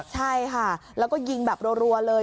ใช่ค่ะแล้วก็ยิงแบบรัวเลย